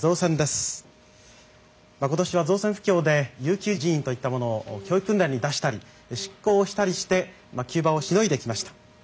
今年は造船不況で遊休人員といったものを教育訓練に出したり出向したりして急場をしのいできました。